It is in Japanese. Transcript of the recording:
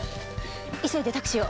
急いでタクシーを。